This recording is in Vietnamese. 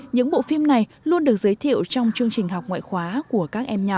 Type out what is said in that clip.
những bộ phim này luôn được giới thiệu trong chương trình học ngoại khóa của các em nhỏ